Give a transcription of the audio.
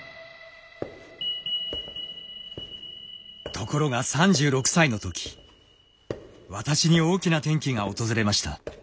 ところが３６歳の時私に大きな転機が訪れました。